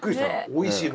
おいしい。